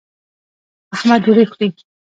احمد ډوډۍ خوري.